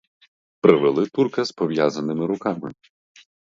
Привели турка з пов'язаними руками.